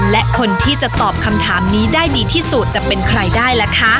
และคนที่จะตอบคำถามนี้ได้ดีที่สุดจะเป็นใครได้ล่ะคะ